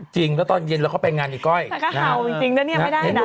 จริงแล้วตอนเย็นเราก็ไปงานไอ้ก้อยแต่ก็เห่าจริงนะเนี่ยไม่ได้นะ